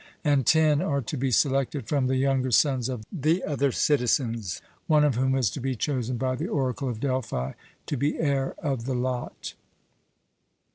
And ten are to be selected from the younger sons of the other citizens one of whom is to be chosen by the oracle of Delphi to be heir of the lot.